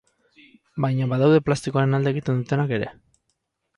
Baina badaude plastikoaren alde egiten dutenak ere.